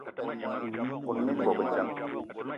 Me kon mina bobedjan.